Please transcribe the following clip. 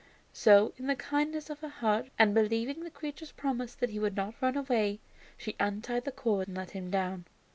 So in the kindness of her heart, and believing the creature's promise that he would not run away, she untied the cord and let him down.